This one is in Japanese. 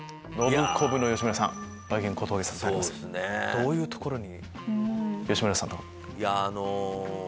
どういうところに？